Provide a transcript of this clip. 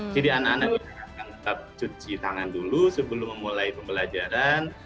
jadi anak anak tetap cuci tangan dulu sebelum memulai pembelajaran